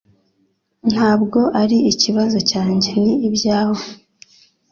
Ntabwo ari ikibazo cyanjye Ni ibyawe